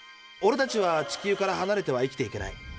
オレたちは地球からはなれては生きていけない。